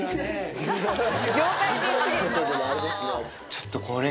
ちょっとこれ。